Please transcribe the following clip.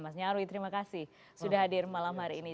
mas nyarwi terima kasih sudah hadir malam hari ini